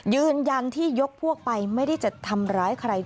ยืนยันที่ยกพวกไปไม่ได้จะทำร้ายใคร